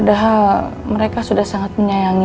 dia anak yang gue buang